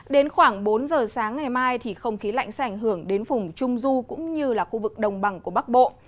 đến khoảng bốn giờ sáng ngày mai thì không khí lạnh sẽ ảnh hưởng đến vùng trung du cũng như là khu vực đồng bằng của bắc bộ